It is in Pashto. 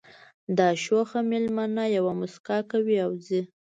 دا شوخه مېلمنه یوه مسکا کوي او ځي